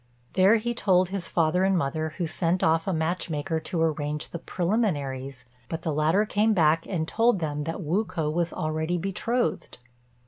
There he told his father and mother, who sent off a match maker to arrange the preliminaries; but the latter came back and told them that Wu k'o was already betrothed.